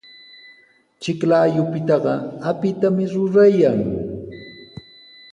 Chiklayupitaqa apitami rurayan.